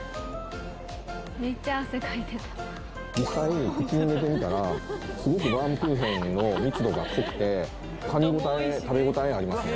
実際口に入れてみたらすごくバウムクーヘンの密度が濃くて噛み応え食べ応えあります